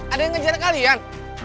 ada yang ngejar kalian